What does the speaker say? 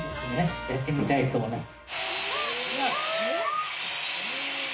やってみたいと思います。